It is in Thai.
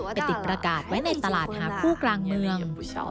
ไปติดประกาศไว้ในตลาดหาคู่กลางเมือง